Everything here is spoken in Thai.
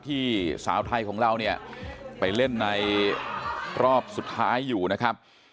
ที่สาวไทยของเราเนี่ยไปเล่นในรอบสุดท้ายอยู่นะครับ